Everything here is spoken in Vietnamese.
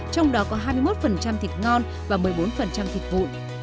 trong đó có hai mươi một thịt ngon và một mươi bốn thịt vụn